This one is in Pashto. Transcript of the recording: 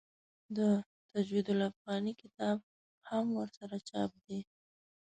د تجوید الافغاني کتاب هم ورسره چاپ دی.